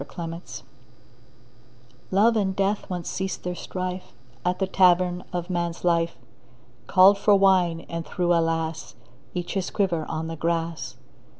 THE EXPLANATION Love and Death once ceased their strife At the Tavern of Man's Life. Called for wine, and threw — alas! — Each his quiver on the grass.